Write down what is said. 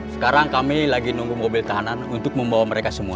sekarang kami lagi nunggu mobil tahanan untuk membawa mereka semua